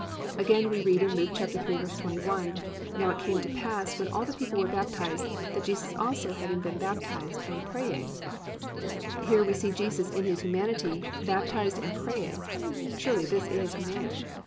Again we read in Luke 3:21, +"Now it came to pass, when all the people were baptised, that Jesus also having been baptised, and praying, ..."+ Here we see Jesus in His humanity, baptised and praying. Surely this is a man.